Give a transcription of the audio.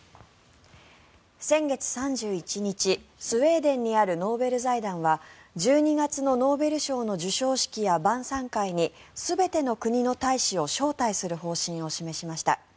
先月３１日、スウェーデンにあるノーベル財団は１２月のノーベル賞の授賞式や晩さん会に全ての国の大使を招待する方針を示しました。